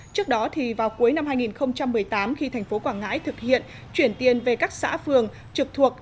trước đó thì vào cuối năm hai nghìn một mươi tám khi tp quảng ngãi thực hiện chuyển tiền về các xã phường trực thuộc